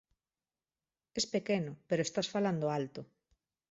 Es pequeno, pero estás falando alto.